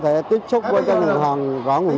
như chuyến xe công đoàn tham hoại tặng quà những lao động